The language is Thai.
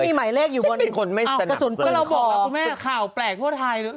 ไม่มีอะไรเลย